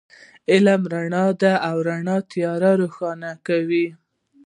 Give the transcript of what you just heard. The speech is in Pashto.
علم رڼا ده، او رڼا تیار روښانه کوي